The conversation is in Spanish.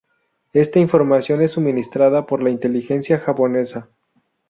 Esta información es suministrada por la inteligencia japonesa.